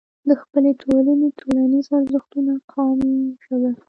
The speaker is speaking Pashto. د خپلې ټولنې، ټولنيز ارزښتونه، قوم، ژبه